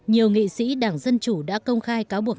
nhiều nghị sĩ đảng dân chủ đã công khai cáo buộc